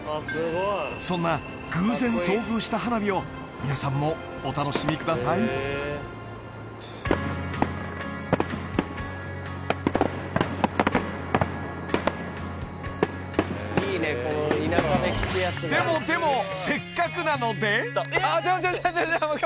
そんな偶然遭遇した花火を皆さんもお楽しみくださいでもでもちょちょちょちょ